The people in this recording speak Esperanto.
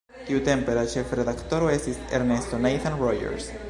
Tiutempe la ĉefredaktoro estis Ernesto Nathan Rogers.